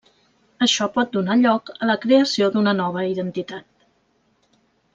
Això pot donar lloc a la creació d'una nova identitat.